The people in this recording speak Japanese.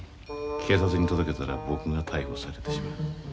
警察に届けたら僕が逮捕されてしまう。